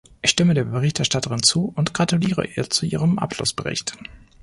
Ich stimme der Berichterstatterin zu und gratuliere ihr zu ihrem Abschlussbericht.